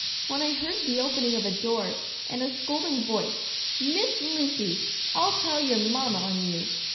when I heard the open ing of a door and a scolding voice, " Miss Lucy, I'll tell your Mam ma on you!